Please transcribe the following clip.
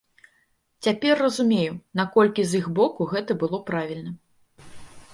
Цяпер разумею, наколькі з іх боку гэта было правільна.